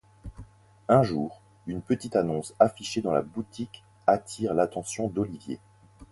Un jour, une petite annonce affichée dans la boutique attire l'attention d'Olivier.